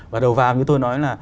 và đầu vào như tôi nói là